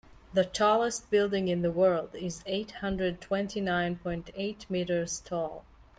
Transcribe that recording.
The tallest building in the world is eight hundred twenty nine point eight meters tall.